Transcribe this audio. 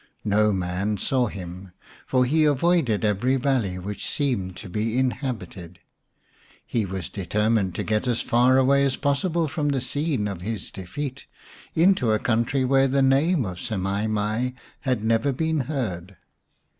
No man saw him, for he avoided every valley which seemed to be in habited. He was determined to get as far as possible from the scene of his defeat, into a country where the name of Semai mai had never been heard.